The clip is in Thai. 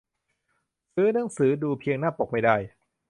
ซื้อหนังสือดูเพียงหน้าปกไม่ได้